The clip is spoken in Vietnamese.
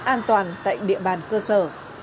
an toàn tại địa bàn cơ sở